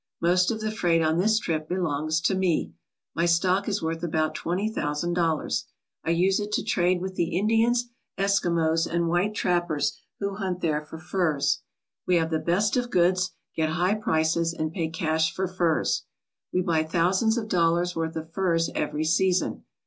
Most of the freight on this ship belongs to me. My stock is worth about twenty thousand dollars. I use it to trade with the Indians, Eskimos, and white trappers who hunt there for furs. We have the best of goods, get high prices, and pay cash for furs. We buy thousands of dollars' worth of furs every season.